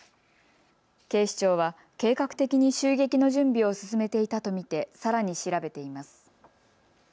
警視庁は計画的に襲撃の準備を進めていたと見てさらに調べています。